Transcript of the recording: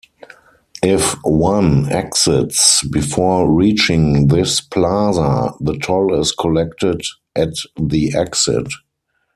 If one exits before reaching this plaza, the toll is collected at the exit.